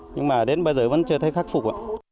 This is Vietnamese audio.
nhưng mà đến bây giờ vẫn chưa thấy khắc phục ạ